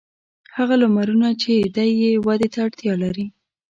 هغه لمرونه چې دی یې ودې ته اړتیا لري.